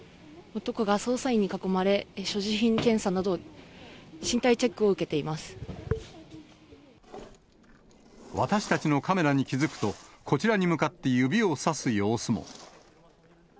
男が捜査員に囲まれ、所持品検査など、私たちのカメラに気付くと、こちらに向かって指をさす様子も。